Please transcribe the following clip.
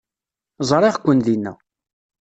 Ẓriɣ-ken dinna.